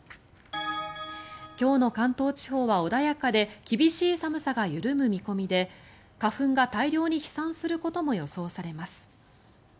今日の関東地方は穏やかで厳しい寒さが緩む見込みで花粉が大量に飛散することも予想されます。